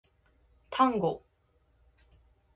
タンゴ